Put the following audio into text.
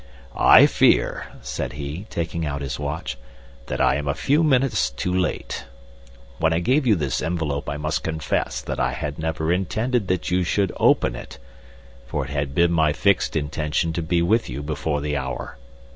"I fear," said he, taking out his watch, "that I am a few minutes too late. When I gave you this envelope I must confess that I had never intended that you should open it, for it had been my fixed intention to be with you before the hour.